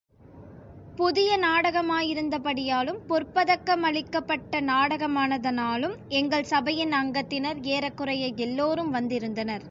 புதிய நாடகமாயிருந்தபடியாலும் பொற்பதக்க மளிக்கப்பட்ட நாடகமானதனாலும், எங்கள் சபையின் அங்கத்தினர் ஏறக்குறைய எல்லோரும் வந்திருந்தனர்.